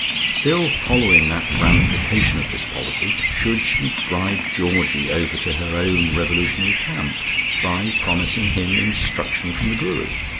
Still following that ramification of this policy, should she bribe Georgie over to her own revolutionary camp, by promising him instruction from the Guru?